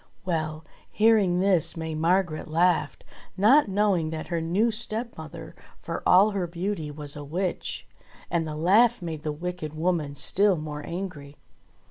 Well ! hearing this May Margret laughed, not knowing that her new stepmother, for all her beauty, was a witch ; and the laugh made the wicked woman still more angry.